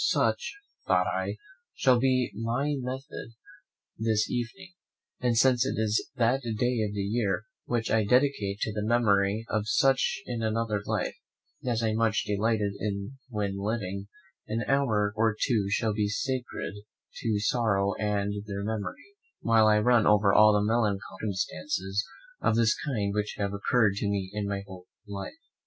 Such, thought I, shall be my method this evening; and since it is that day of the year which I dedicate to the memory of such in another life as I much delighted in when living, an hour or two shall be sacred to sorrow and their memory, while I run over all the melancholy circumstances of this kind which have occurred to me in my whole life.